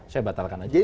saya batalkan aja